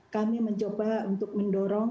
kami mencoba untuk mendorong